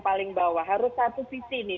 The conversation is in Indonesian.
paling bawah harus satu sisi nih